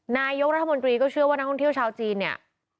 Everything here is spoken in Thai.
นายกรัฐมนตรีก็เชื่อว่านักท่องเที่ยวชาวจีนเนี่ย